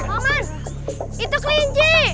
oman itu kelinci